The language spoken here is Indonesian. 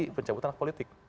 sangsi penyebut anak politik